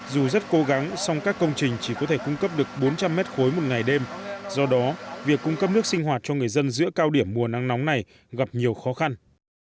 dù rất cố gắng song các công trình chỉ có thể cung cấp được bốn trăm linh mét khối một ngày đêm do đó việc cung cấp nước sinh hoạt cho người dân giữa cao điểm mùa nắng nóng này gặp nhiều khó khăn